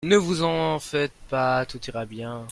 Ne vous en faites pas. Tout ira bien.